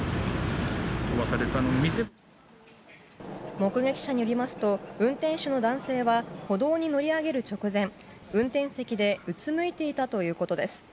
目撃者によりますと運転手の男性は歩道に乗り上げる直前、運転席でうつむいていたということです。